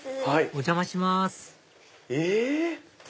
お邪魔しますえ？